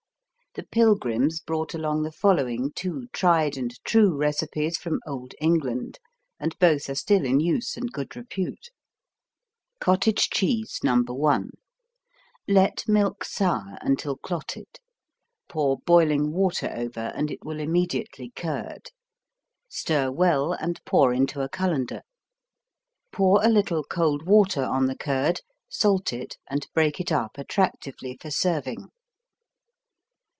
The Pilgrims brought along the following two tried and true recipes from olde England, and both are still in use and good repute: Cottage Cheese No. 1 Let milk sour until clotted. Pour boiling water over and it will immediately curd. Stir well and pour into a colander. Pour a little cold water on the curd, salt it and break it up attractively for serving.